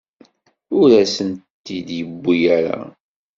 Ur asen-t-id-yewwi ara.